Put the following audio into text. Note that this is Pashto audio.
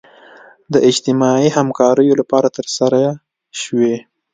د اجتماعي همکاریو لپاره ترسره شوي.